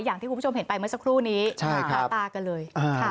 อย่างที่คุณผู้ชมเห็นไปเมื่อสักครู่นี้คาตากันเลย